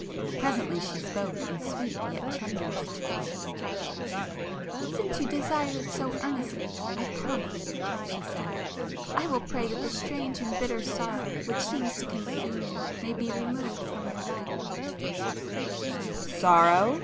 Presently she spoke in sweet yet tremulous accents— "Since you desire it so earnestly, I promise,"—she said—"I will pray that the strange and bitter sorrow which seems to consume you may be removed from your life——" [p 350]"Sorrow!"